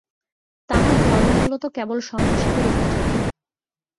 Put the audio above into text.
তাঁহার ধর্ম মূলত কেবল সন্ন্যাসীদের উপযোগী।